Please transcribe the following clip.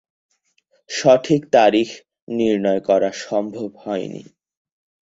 সঠিক তারিখ নির্ণয় করা সম্ভব হয়নি।